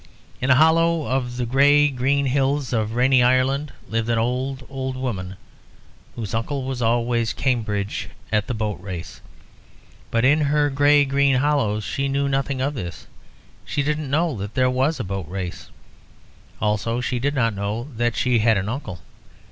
"In a hollow of the grey green hills of rainy Ireland, lived an old, old woman, whose uncle was always Cambridge at the Boat Race. But in her grey green hollows, she knew nothing of this: she didn't know that there was a Boat Race. Also she did not know that she had an uncle.